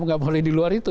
nggak boleh di luar itu